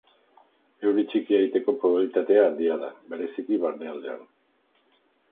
Euri txikia egiteko probabilitatea handia da, bereziki barnealdean.